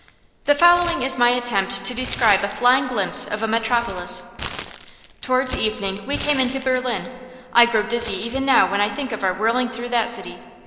The following is my attempt to describe a flying glimpse of a metropolis: Towards evening we came into Berlin. I grow dizzy even now when I think of our whirling through that city.